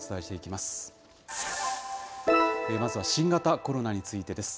まずは新型コロナについてです。